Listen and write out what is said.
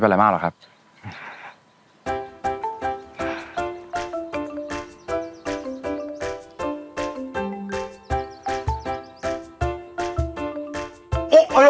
ฉันจะตัดพ่อตัดลูกกับแกเลย